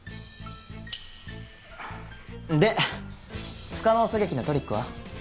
で不可能狙撃のトリックは？